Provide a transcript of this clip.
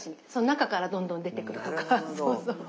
中からどんどん出てくるとか。